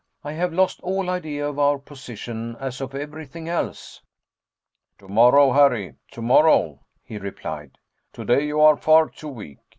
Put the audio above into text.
I have lost all idea of our position, as of everything else." "Tomorrow, Harry, tomorrow," he replied. "Today you are far too weak.